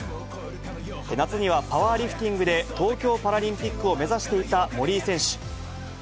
夏にはパワーリフティングで、東京パラリンピックを目指していた森井選手。